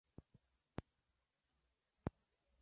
Ermitas rupestres.